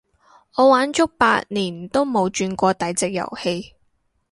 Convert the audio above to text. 我玩足八年冇轉過第隻遊戲